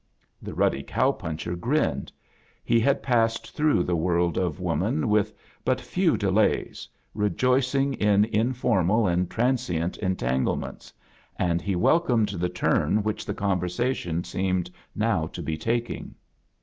The ruddy cow puncher grinned. He ■ \V had passed throagh the world of woman ^ t ^ i^h but few delays, rejoicing in informal and transient entanglements, and he wel comed the turn which the conversation Beemed now to be taking.